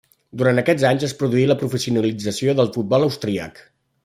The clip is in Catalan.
Durant aquests anys es produí la professionalització del futbol austríac.